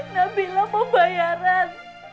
nabilah mau bayaran